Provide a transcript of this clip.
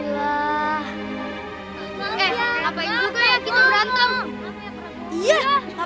kamu tidak akan bisa melangkah lagi kak jaka